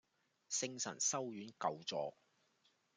聖神修院舊座